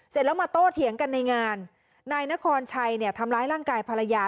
เสร็จแล้วมาโต้เถียงกันในงานนายนครชัยเนี่ยทำร้ายร่างกายภรรยา